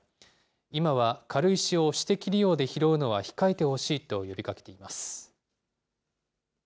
今は軽石を私的利用で拾うのは控えてほしいと呼びかけています。